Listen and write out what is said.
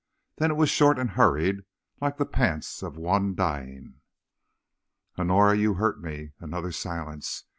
Then it was short and hurried, like the pants of one dying. "Honora, you hurt me." Another silence.